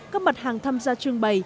các mặt hàng tham gia trương bày